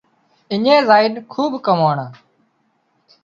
اڃين زائينَ کوٻ ڪماڻا